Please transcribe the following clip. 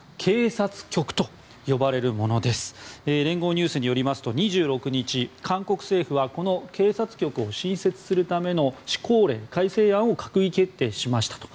ニュースによりますと２６日韓国政府はこの警察局を新設するための施行令改正案を閣議決定しましたと。